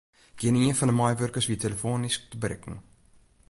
Gjinien fan de meiwurkers wie telefoanysk te berikken.